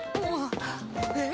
えっ？